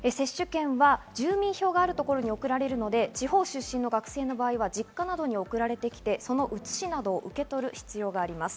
住民票があるところに送られるので地方出身の学生の場合は実家などに送られてきて、その写しなどを受け取る必要があります。